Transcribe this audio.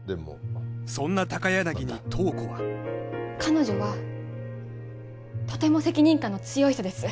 そんな高柳に塔子は彼女はとても責任感の強い人です